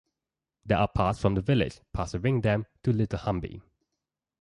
There are paths from the village, past the ring dam, to Little Humby.